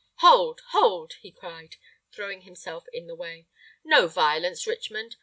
"Hold, hold!" he cried, throwing himself in the way. "No violence, Richmond.